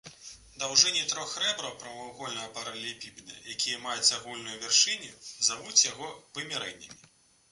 Даўжыні трох рэбраў прамавугольнага паралелепіпеда, якія маюць агульную вяршыню, завуць яго вымярэннямі.